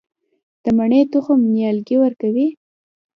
د مڼې تخم نیالګی ورکوي؟